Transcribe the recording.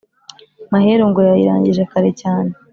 Maheru ngo yayirangije kare cyane